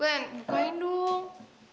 ben bukain dong